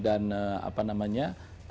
dan apa namanya